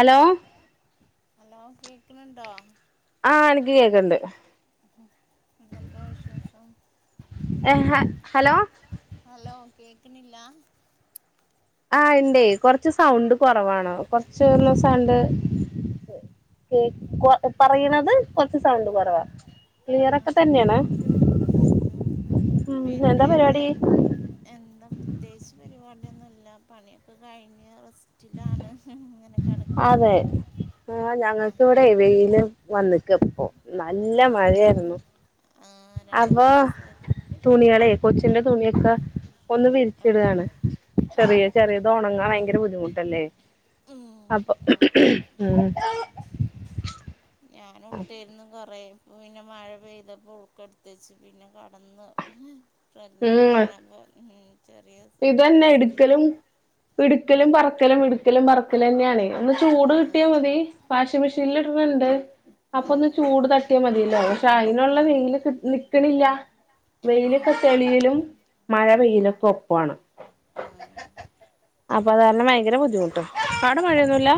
Hello hello കേക്ക്ണ് ണ്ടോ ആഹ് നിക്ക് കേക്ക്ണ്ട് ന്തൊക്കെ വിശേഷം എഹ ഹലോ ഹലോ കേക്ക്ണില്ലാ ആഹ് ണ്ടേയ് കൊർച്ച് സൗണ്ട് കുറവാണോ കൊർച്ച് ആഹ് ന്നസൗണ്ട് കേ കൊ പറയ്ണത് കൊർച്ച് സൗണ്ട് കൊറവാ ആണോ ക്ലിയറക്കതന്നെണ്. പിന്നെ എ എന്താ പ്രത്യേച്ച് പരിപാടിയൊന്നുല്ല പണിയൊക്കെ കഴിഞ്ഞ് റസ് റ്റിലാണ് ങ്ങനെ കടക്കാ അതെ ആഹ് ഞങ്ങക്ക് വടൈ വെയില് വന്ന് ക്കപ്പോ നല്ല ആഹ് മഴേര്ന്നു ആഹ് രണ്ട് അപോ മൂന്ന് ദിവസായിട്ട് തുണേളയ് കൊച്ചിന്റെ തുണിയൊക്കെ ഒന്ന് ആഹ് വിരിച്ചിടാണ് ചെറിയ ആഹ് ചെറിയ ദ ഒണങ്ങാ വയങ്കര ബുദ്ധിമുട്ടല്ലേ ഉം അപ്പൊ ഇവ് ഉം ഞാനുട്ടേർന്നു കൊ പോയപ്പോ പിന്നെ മഴ പെയ്തപ്പോ ക്കട്ത്തച്ചു പിന്നെ കടന്ന് ചെഗ്നൻ്റാ ഉം അപ്പോ ഹും ചെറിയ ഇതന്നെ റെസ്റ്റില ട്ക്കലും ഇട്ക്കലും ഇട് പറക്കലും ഇടു ക്കലും പറക്കലുന്നെണ് ഒന്ന് ചൂട് ആഹ് കിട്ടിയാ മതി വാഷിംഗ് മെഷീനിൽട്ണ് ണ്ട് ആഹ് അപ്പൊന്ന് ആഹ് ചൂട് തട്ടിയാമതിയല്ലോ പക്ഷെ അയനൊള്ള വൈയ്ല് കി നിക്ക്ണില്ല വൈലൊക്കെ തെളിയലും മഴ ആഹ് വെയിലൊക്കെ പ്യാണ് ആഹ് അപ്പൊ ത്കാരണം ഭയങ്കര ബുദ്ധിമുട്ട് ആടെ മഴയൊന്നുല്ല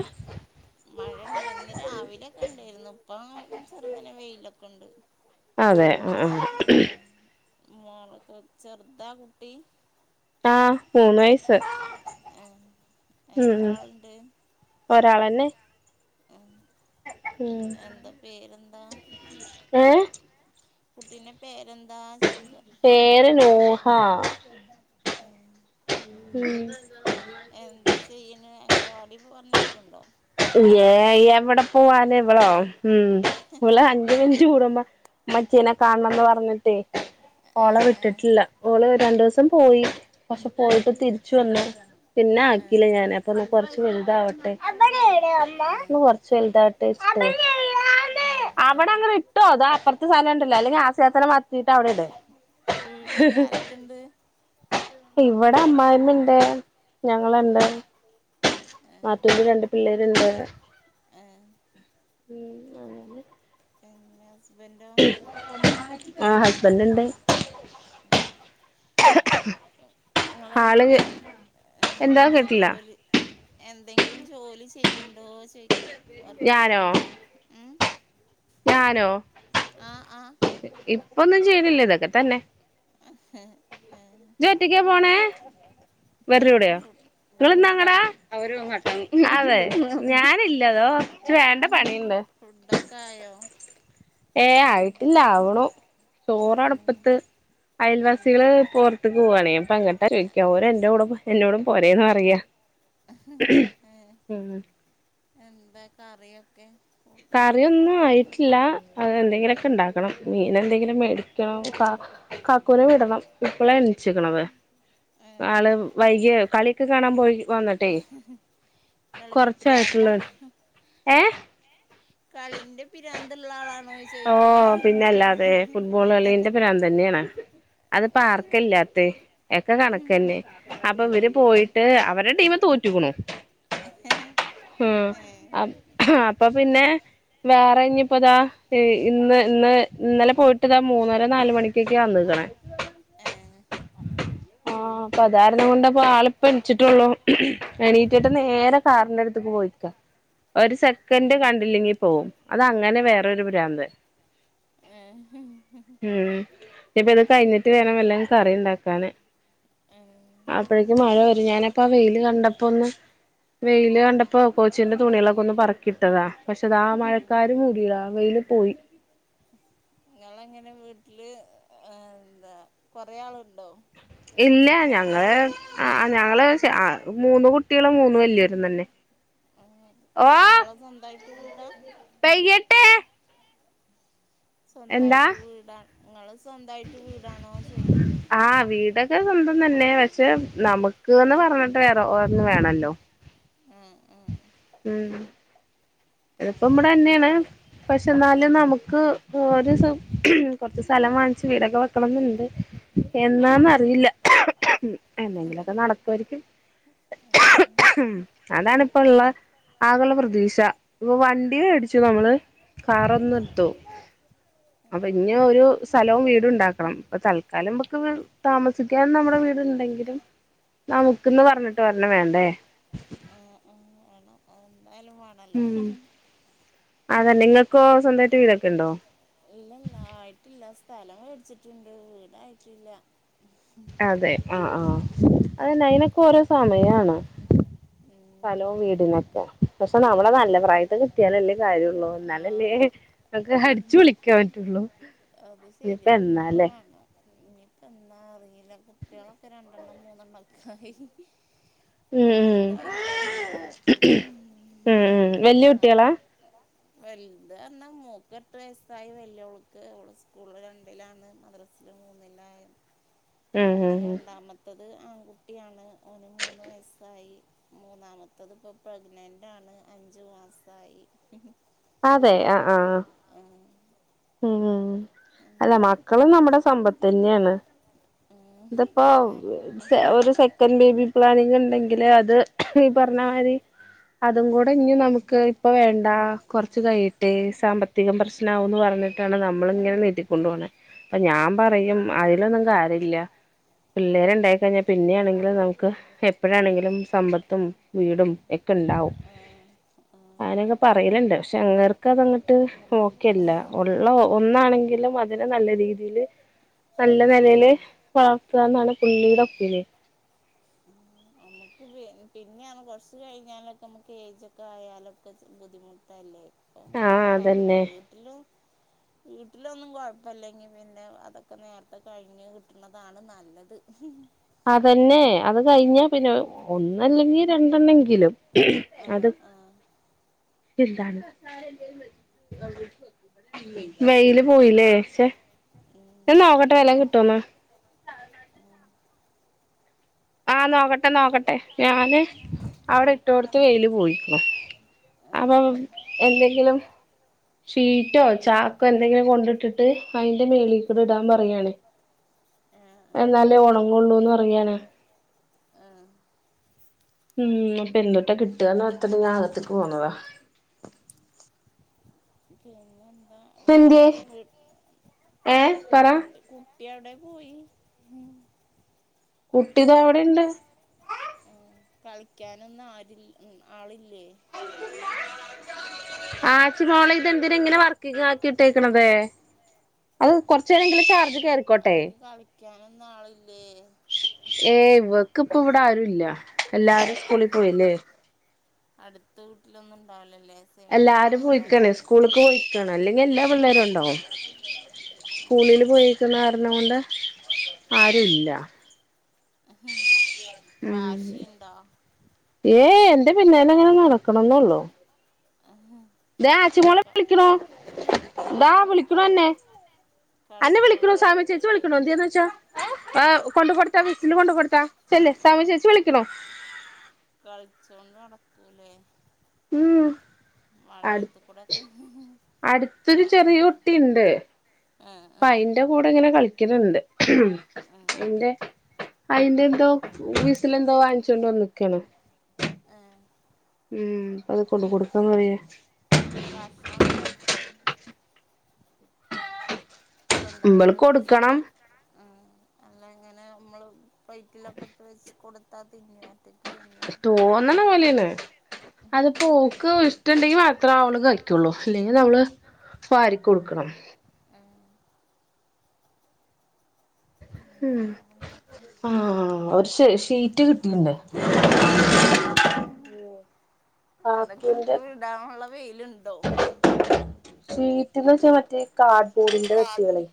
മഴണ്ട് ഇന്ന് രാവിലെക്കെണ്ടേര്ന്നു ഇപ്പോ ചെറുങ്ങനെ വെയിലൊക്കണ്ട് അതെ ആഹ് മോൾ ചെറുതാ കുട്ടി ആഹ് മൂന്ന് വയസ്സ് എം ഉം എത്ര ഉം ആൾണ്ട് ഒരാളന്നെ ഉം എന്താ പേരെന്താ ഏഹ് കുട്ടീന്റെ പേരെന്താ ചോയ്ക്ക പേര് നൂഹാ ഉം എന്താ ചെയ്യ്ണ് അങ്കലവാടിക്ക് പറഞ്ഞയ്ക്ക്ണ്ടോ ഏ എവ്ടെ പോവാന് വളോ ഉം ഇവൾ അഞ്ച് മിൻറ്റ് കൂടുമ്പ മ്മച്ചീനെ കാണണന്ന് പറഞ്ഞിട്ടേ ഓളെ ഏഹ് ഏഹ് വിട്ടിട്ടില്ല ഓള് രണ്ടു ദിവസം പോയി പക്ഷെ പോയിട്ട് തിരിച്ചു വന്നു പിന്നെ ഏഹ് ആക്കില ഞാൻ അപ്പൊ ഒന്ന് കൊറച്ച് വലുതാവട്ടെ ഏഹ് ഒന്ന് കുറച്ചു വലുതായിട്ട് ഏഹ് അവിടെ ഏഹ് അങ്ങനെ ഇട്ടോ താ അപ്പുറത്തെ സ്ഥലംണ്ടില്ലോ അല്ലെങ്കിൽ ആസയാതന്റെ മാറ്റീട്ട് അവിടെ ഇട വീട്ടിൽ ആരൊക്കെണ്ട്? ഇവിടെ അമ്മായമ്മ ഇണ്ട് ഞങ്ങളുണ്ട് ഏഹ് ഏഹ് [unintelligible] രണ്ട് പിള്ളേരുണ്ട് ഏഹ് മേൻ മ ഏഹ് ഹസ്ബൻഡോ ആ ഹസ്ബൻന്റ് ഉണ്ട് ഞങ്ങളെന്താ വേ ആള് എന്താ എന്ത കേട്ടില്ല ജോലി എന്തെങ്കിലും ജോലി ചെയ്യണ്ടോ ചോയിക്ക വർക്ക് ഞാനോ ചെയ്യണ്ടോ ഞാനോ ആ ആ ഇപ്പൊന്നും ചെയ്തില്ല ഇതൊക്കെ തന്നെ ഹ നീ ഒറ്റക്ക പോണേ [inaudible] നിങ്ങളിന്നങ്ങടാ ഫുഡ് അതെ ഞാനല്ലതോ ഇ വേണ്ട പണിയുണ്ട് ഫുടൊക്കായോ ഏ ആയിട്ടില്ല ആവണു ചോറ് ഏഹ് അടുപ്പത്ത് ഏഹ് അയൽവാസികള് പോറത്ത്ക്ക് പോകുകയാണെ അപ്പൊ എങ്ങട്ടാ ചോയ്ക്യ ഒരേന്റെകൂടെ എന്നോടും പോരേന്ന് പറയാ [inaudible] ഏഹ് [inaudible] എന്താ കറിയൊക്കെ കൂട്ടാനൊക്കെ കറിയൊന്നും ആയിട്ടില്ല അത് എന്തെങ്കിലുമൊക്കെ ഉണ്ടാക്കണം മീനെന്തെങ്കിലും മേടിക്കണം കാക്കുനെ വിടണം ഇപ്പളാ എണിച്ചിക്കണത് ഏഹ് നാള് വൈകിയ കളിയൊക്കെ കാണാൻ പോയി വന്നട്ടെ കളിപ്രാന്താ കൊറച്ചായിട്ടുള്ളൂ ഏ കളിന്റെ പിരാന്തുള്ള ആളാണോ ഓ ചോയ്ക്ക പിന്നെ അല്ലാതെ ഫുട്ബോൾ കളിന്റെ പ്രാന്തന്നെയാണ് അത്പ്പൊ ഏഹ് ആർക്കില്ലാത്ത ഒക്കെ കണക്ക് തന്നെ അപ്പൊ ഇവര് പോയിട്ട് അവരുടെ ടീമ് തോറ്റിക്കണു ഉ ഏഹ് അപ്പൊ പിന്നെ വേറെ ഇനിപ്പോതാ ഇന്ന് ഇന്ന് ഇന്നലെ പോയിട്ട്താ മൂന്നര നാല മണിക്കൊക്കെയാ വന്നിക്കണേ ഏ ആ അപ്പൊ അതായിരുന്നു കൊണ്ടപ്പ ആളിപ്പ ഏണിച്ചിട്ടുള്ളൂ എണീറ്റിട്ട് നേരെ കാറിന്റെടുത്ത് പോയി ഒരു സെക്കൻഡ് കണ്ടില്ലെങ്കി പോവും അത് അങ്ങനെ വേറൊരു പ്രാന്ത് ഏഹ് ഉം ഇപ്പ ഇത് കഴിഞ്ഞിട്ട് വേണം വല്ലതും കറി ഉണ്ടാക്കാന് അപ്പഴേക്ക് മഴ വരും ഞാനപ്പ ആ വെയില്കണ്ടപ്പോ ഒന്ന് വെയിയില് കണ്ടപ്പോ കോച്ചിന്റെ തുണികളൊക്കെ ഒന്ന് പറക്കിട്ടതാ പക്ഷെ അതാ മഴക്കാര് മൂടിയതാ വെയില് പോയി ങ്ങളങ്ങനെ വീട്ടില് എന്താ കൊറെ ആളുണ്ടോ ഇല്ല സാധം ഞങ്ങള് ആ ഞങ്ങള് മൂന്ന് കുട്ടികളും മൂന്ന് വല്യ വരും തന്നെ ഓ സ്വങ്ങള സ്വന്തമായിട്ട് വീടാ പെയ്യട്ടെ എന്താ സ്വന്തായിട്ട് വീടാണ് നിങ്ങള് സ്വന്തയിട്ട് വീടാണോ ചോയിക്ക ആ വീടൊക്കെ സ്വന്തം തന്നെ പക്ഷെ നമുക്ക്ന്ന് പറഞ്ഞിട്ട് വേറെ ഒരെണ്ണം വേണല്ലോ ഉം ഉം ഉം ഇതിപ്പോ അങ്ങനെ ഇമ്മടെ തന്നെണ് ആയിട്ടില്ലല്ലേ പക്ഷെ എന്നാലും നമുക്ക് ഒരു സാ കൊറച്ച് സ്ഥലം വാങ്ങിച്ച് വീടൊക്കെ വെക്കണന്നുണ്ട് ഉം എന്നാന്നറിയില്ല എന്നെങ്കിലൊക്കെ നടക്കുവാരിക്കും ഉം അതാണിപ്പ ഉള്ള കല്ല ആകുള്ള ഉം പ്രതീക്ഷ വണ്ടി മെടിച്ചു നമ്മള് കാറൊന്ന് ഉം എടുത്തു അപ്പൊ ഇനി ഒരു സലവും വീടുഉണ്ടാക്കണം ഇപ്പൊ തൽക്കാലം നമുക്ക്ങ്ങന താമസിക്കാൻ നമ്മുടെ വീട്ണ്ടെങ്കിലും ഉം നമുക്ക്ന്ന് പറഞ്ഞിട്ട് ഒരെണ്ണം വേണ്ടേ ആഹ് ആഹ് വേണം അത് എന്തായാലും വേണല്ലോ? അതെ നിങ്ങൾക്കോ സ്വന്തായിട്ട് വീടൊക്കെ ഉണ്ടോ? ഇല്ലല്ല ആയിട്ടില്ല സ്ഥലം മേടിച്ചിട്ടുണ്ട് വീടായിട്ടില്ല. അതെ ആഹ് ആഹ് ഉം അതന്നെ അയ്നൊക്കെ ഓരോ സമയാണ്. ഉം സ്ഥലോം വീടിനൊക്കെ പക്ഷെ നമ്മളെ നല്ല പ്രായത്ത് കിട്ടിയാലല്ലേ കാര്യഒള്ളൂ ആഹ് എന്നാലല്ലേ. നമക്ക് അടിച്ച് പൊളിക്കാൻ പറ്റുള്ളൂ. അത് ഇനിയിപ്പ ശെരിയാ ഇപ്പ എന്നാലേ വാങ്ങാ ഇനിപ്പ എന്നാ അറിയില്ല കുട്ടികളൊക്കെ രണ്ടെണ്ണം മൂന്നെണ്ണം ഒക്കെ ആയി. ഉം ഒക്കെ ഉം വലുതായിതുടങ്ങി ഉം ഇനി ഉം ഉം എന്നന്ന് വല്യ ആവൊ. കുട്ടികളാ ഏതാ വലുത് പറാഞ്ഞാ മോക് എട്ട് വയസ്സായി വലിയോള്ക്ക് ഓൾ സ്കൂളിൽ രണ്ടിലാണ് മദ്രസിൽ മൂന്നിലായ ഉം പിന്നെ ഉം രണ്ടാമത്തത് ആൺകുട്ടിആണ് ഓന് മൂന്ന് വയസ്സായി. മൂന്നാമത്തത് ഇപ്പോ പ്രഗ്നന്റ് ആണ് അഞ്ചു മാസായി അതെ ആഹ് ആഹ് ആഹ് ആഹ്. ഉം അല്ല അങ്ങനെ മക്കളും നമ്മുടെ സമ്പത്ത് തന്നെയാണ്. ഉം, ഇതിപ്പോ അതന്നെ ഉള്ളു ഒരു സെ സെക്കന്റ്‌ ബേബി പ്ലാനിങ് ഉണ്ടെങ്കില് അത് ഈ പറഞ്ഞ മാരി. അതും കൂടെ ഇനി നമുക്ക് ഇപ്പ വേണ്ട കുറച്ച് കഴട്ടെ സാമ്പത്തികം പ്രശ്നമാവുന്ന് പറഞ്ഞി ട്ട് ആണ് നമ്മള് ഇങ്ങനെ നീട്ടിക്കൊണ്ട് പോണേ അപ്പൊ ഞാൻ പറയും അയിലൊന്നും കാര്യഇല്ല. പിള്ളേര്ണ്ടായി കഴിഞ്ഞാ പിന്നെയാണെങ്കിലും നമുക്ക്. എപ്പഴാണെങ്കിലും സമ്പത്തും വീടും എക്ക് ഉണ്ടാവും. ആ ആ അനൊക്കെ പറല്ണ്ട് പക്ഷെ അങ്ങർക്ക് അതങ്ങോട്ട് ഒക്കെ അല്ല. ഒള്ള ഒന്നാണെങ്കിലും അതിനെ നല്ല രീതില്. ആ നല്ലനെലെല്ല് വളർത്ത്ന്നാണ് പുള്ളിടെ ഒപ്പീനിയൻ. ഇത് പിന് പിന്നെയാമ്പ കൊറച്ച് കഴിഞ്ഞാലൊക്കെ നമുക്ക് ഏജ് ഒക്കെ ആയാലൊക്കച്ച് ബുദ്ധിമുട്ടല്ലേ? ഓന് ആഹ് ഉപ്പാക്ക് അതന്നെ വീട്ടിലും. വീട്ടിലൊന്നും കുഴപ്പല്ലെങ്കി പിന്നെ അതൊക്കെ നേരത്തെ കഴിഞ്ഞ് കിട്ടണതാണ് നല്ലത്. ഹ് ഹ് അതന്നെ അത് കഴിഞ്ഞാ പിന്നെ ഒന്നല്ലെങ്കി രണ്ടെണ്ണെങ്കിലും. ആ അത് ആ എന്താണ്. വെയില് പോയില്ലേ ക്ഷെ ഉം. നോക്കട്ടെ പിന്നെ വല്ലോം കിട്ടോന്ന്. ആഹ് നോക്കട്ടെ നോക്കട്ടെ ഞാന് അവിടെ ഇട്ടോട്ത്ത് വെയില് പോയിക്ക്ണു. ആ അപ്പം എന്തെങ്കിലും. ഷീറ്റോ ചാക്കോ എന്തെങ്കിലും കൊണ്ടിട്ടിട്ട് അയിന്റെ മേളിൽ കൂടെ ഇടാൻ പറയാണ്. ആ ആ ആ എന്നാലേ ഒണങ്ങുള്ളൂന്ന് പറയാണ്. ആഹ്. ഉം അപ്പെൻതുട്ട കിട്ടന്ന്ഓർത്ത്പ്പാ ഞാൻ അകത്തേക്ക് പോന്നതാ. പിന്നെന്താ വേറെ എന്ത്യേ ആരും വീ ഏ പറ കിട്ടും. കുട്ടിയവിടെ പോയി? കുട്ടി താ ഇവിടെ ഇണ്ട്. കളിക്കാനൊന്നും ആരും ഉം ആളില്ലേ? ആച്ചി മോളെ ഇതെന്തിനാ ഇങ്ങനെ വർക്കിങ്ങ് ആക്കിട്ടേക്കണത്. അത് കുറച്ച് നേരെങ്കിലും ചാർജ് കേറിക്കോട്ടെ അവക്ക് കളിക്കാനൊന്നും ആളില്ലേ? ഏഹ് ഇവക്ക് ഇപ്പ ഇവിടെ ആരും ഇല്ല എല്ലാരും ആ സ്കൂളിൽ പോയില്ലേ. അടുത്ത വീട്ടിലൊന്നും ഉണ്ടാവില്ലല്ലേ സ് എല്ലാരും പോയിക്ക്ണ് സ്കൂളിലക്ക് പോയിക്കണ് അല്ലെങ്കിൽ എല്ലാ ആ പിള്ളേരുണ്ടവും. ആ സ്കൂളില് പോയിരിക്കുന്ന കാരണം കൊണ്ട് ആ ആ ആരുല്ല. വാശിയിണ്ടോ? ഏയ് എന്റെ പിന്നേലൊ ഇങ്ങനെ നടക്കണം ന്നള്ളു ആഹ് ആഹ് ദോ ആച്ചി മോളെ വിളിക്കണു ന്താ വിളിക്കുണു കളി അന്നെ അന്നെ വിളിക്കണു കളിച്ചോണ്ട് സാമി ചേച്ചി നടക്കൂലേ വിളിക്ക് എച്ചാ ആ കൊണ്ട കൊടുത്താ വിസ്ല് കൊണ്ട് കൊടുത്താ ചെല്ല് സമ ചേച്ചച്ച് വിളിക്കണോ കളിച്ചോണ്ട് നടക്കൂലേ ഉം അടു മഴയത്ത് കൂടൊക്കെ അടുത്തൊരു ചെറിയ കുട്ടി യുണ്ട് ആ ആ അപ്പം അയിന്റെ കൂടെ ഇങ്ങനെ കളിക്ക്ണ് ഇണ്ട് ആ അയിന്റെ അയിന്റെ എന്തോ വിസല് എന്തോ വാങ്ങിച്ചോണ്ട് വന്നക്കാണ് ഏഹ് ഉം അത് കൊണ്ട് കൊടുക്കാന്ന് പറയാ ഭക്ഷണം ഒക്കെ കഴിക്കോ സ്വന്തമായിട്ട് ഇമ്പൾക്ക് സ്വന്ത കൊടുക്കണം ഉം അല്ല ഇങ്ങനെ നമ്മള് പ്ലേറ്റിലൊക്കെ ഇട്ട് വെച്ച് കൊടുത്താ തിന്നോ ഒറ്റക്ക്. തോന്ന്ണ പോലോണ് അത് ഉം പോക്ക് ഇഷ്ടം ഇട്ടുണ്ടെങ്കിൽ മാത്രം അവള് കഴിക്കുള്ളൂ ഇല്ലെങ്കിൽ നമ്മൾ വാരി കൊടുക്കണം. ആഹ് ഉ പിന്നെ വേറെന്തൊക്കെ ആഹ് ഒരു ഷീറ്റ് കിട്ടിണ്ല്ലേ അതൊക്കെട്ട് വിടാനുള്ള വെയിലുണ്ടോ ഷീറ്റ് ന്ന് വച്ചാ മറ്റേ കാ സ്കൂളിന്റെ വ്യക്തികളെ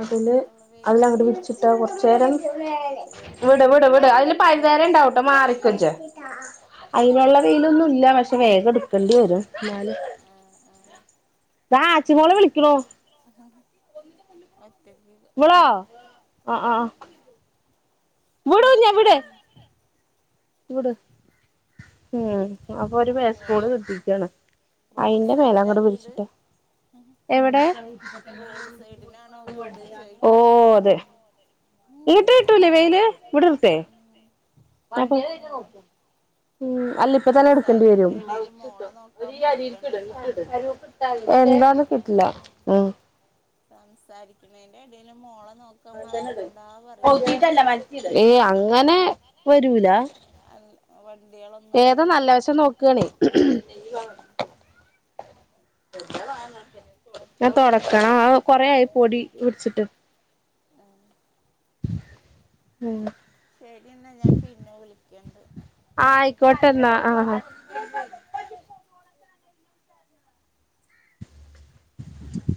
അതില് അതിനൊക്കെയുള്ള അതില അങ്ങട്ട് വെയിലുണ്ടോ ഇവിടെ ഇപ്പ വിരിച്ചിട്ടാ ഇരുട്ട് കുറച്ച് നേരം മൂടി മഴ പോയി വിട വരുന്നുണ്ട് വിട വിട അതി വെയിലൊക്കെ വൈകുന്നേരം പോയി ഉണ്ടാവുംമറിക് കൊച്ച് അയിനുള്ള വെയിലൊനും ഇല്ല പക്ഷ വേഗം എടുക്കേണ്ടി വരും ആഹ് ആഹ് ഒറ്റക്ക് ഇവളോ ആഹ് ആഹ് വേറെന്താ ഇവിട ഉം അപ്പൊ ഒരു പേ സകൂള് പോയോ കിട്ടിക്കാണ് റോഡ് അയിന്റെ മേലെ സൈഡിലാ അങ്ങട്ട് വിളിച്ച് വീട് ട എവിടെ റോഡ് സൈഡിനാണോ ഓഹ് അതെ അതെ [inaudible] മോൾ ഇപ്പത്തന്നെ എടുക്കേണ്ടിവരും സംസാരത്തിന്റെ ഇടയിൽ മോളെ നോക്കാൻ മറക്കണ്ടെന്ന എന്താന്ന് കിട്ടില്ല ഉം സംസാരിക്കുന്നതിന്റെ ഇടയിൽ മോളെ നോക്ക നോക്കാൻ മറക്കണ്ടാ പറയാ ഏ അങ്ങനെ വരൂല അ വണ്ടികളൊന്നും വരില്ലേ അത്യാവശ്യം നോക്കാണ്. ഉം. ഞൻ പെട്ടെന്ന് തൊടക്കണം വണ്ടികളൊന്നും കൊറ ആയി ഉം. പൊടി പിടിച്ചിട്ട് ഉം. ഉമ് ശരി ഇന്നാ ഞാൻ പിന്നെ വിളിക്കണ്ട് അയ്ക്കെട്ടെ ആഹ് ആഹ്